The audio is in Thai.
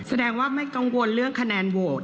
แสดงว่าไม่กังวลเรื่องคะแนนโหวต